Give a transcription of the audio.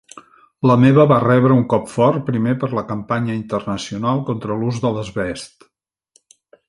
La meva va rebre un cop fort primer per la campanya internacional contra l'ús de l'asbest.